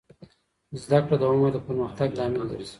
زده کړه د عمر د پرمختګ لامل ګرځي.